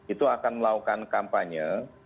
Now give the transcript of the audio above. itu akan melakukan kampanye